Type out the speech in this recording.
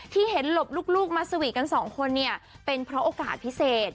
ที่เห็นหลบลูกมาสวีทกันสองคนเนี่ยเป็นเพราะโอกาสพิเศษ